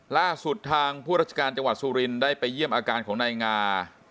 ล่าสุดทางผู้ราชการจังหวัดสุรินได้ไปเยี่ยมอาการของนายงา